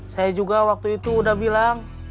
saya juga waktu itu udah bilang